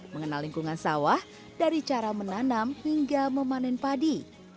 mengenal lingkungan sawah dari cara menanam hingga memanen padi